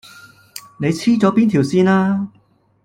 你黐咗邊條線呀